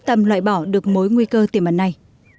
tâm loại bỏ được mối nguy cơ tiềm ẩn này